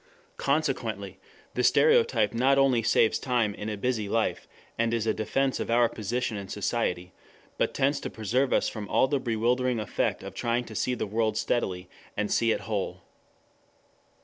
Consequently the stereotype not only saves time in a busy life and is a defense of our position in society, but tends to preserve us from all the bewildering effect of trying to see the world steadily and see it whole.